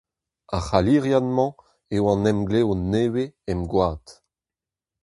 Ar c’haliriad-mañ eo an Emglev nevez em gwad.